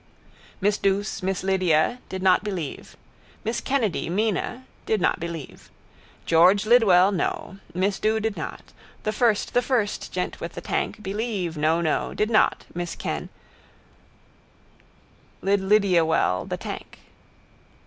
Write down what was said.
Miss Douce, miss Lydia, did not believe: miss Kennedy, Mina, did not believe: George Lidwell, no: miss Dou did not: the first, the first: gent with the tank: believe, no, no: did not, miss Kenn: Lidlydiawell: the tank.